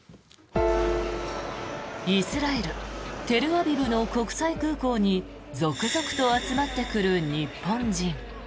イスラエル・テルアビブの国際空港に続々と集まってくる日本人。